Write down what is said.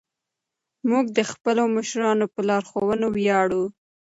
موږ د خپلو مشرانو په لارښوونه ویاړو.